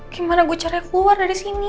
gimana gue caranya keluar dari sini